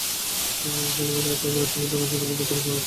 স্যালোমি অট্যারবোর্নের সংগীতানুষ্ঠানে আমাদের প্রথম দেখা হয়েছিল!